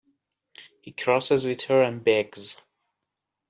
He crosses with her and begs.